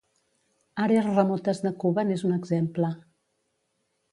Àrees remotes de Cuba n'és un exemple.